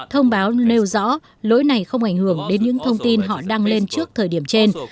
thông báo nêu rõ lỗi này không ảnh hưởng đến những thông tin họ đăng lên trước thời điểm trên